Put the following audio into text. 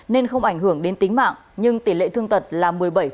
nên không ảnh hưởng đến tính mạng nhưng tỷ lệ thương tật là một mươi bảy